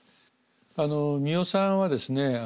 三代さんはですね